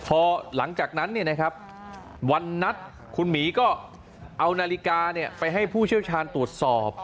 พอหลังจากนั้นวันนัดคุณหมีก็เอานาฬิกาไปให้ผู้เชี่ยวชาญตรวจสอบ